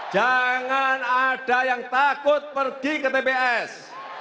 jangan ada yang takut pergi ke tps